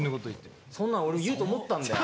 そんなん俺言うと思ったんだよ。